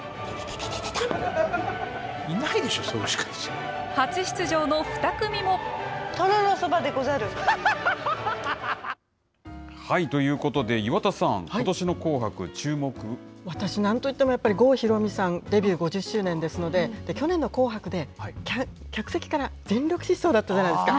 いたいたいた、いないでしょ、初出場の２組も。ということで、岩田さん、こ私、なんといってもやっぱり郷ひろみさん、デビュー５０周年ですので、去年の紅白で、客席から全力疾走だったじゃないですか。